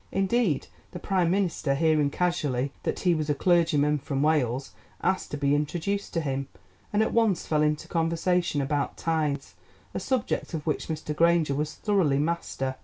Indeed the Prime Minister, hearing casually that he was a clergyman from Wales, asked to be introduced to him, and at once fell into conversation about tithes, a subject of which Mr. Granger was thoroughly master.